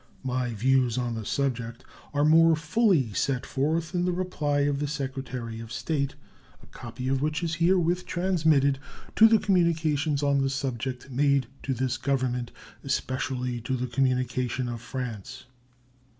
My views on the subject are more fully set forth in the reply of the Secretary of State, a copy of which is herewith transmitted, to the communications on the subject made to this Government, especially to the communication of France.